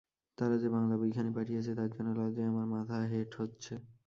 তারা যে বাঙলা বইখানি পাঠিয়েছে, তার জন্য লজ্জায় আমার মাথা হেঁট হচ্ছে।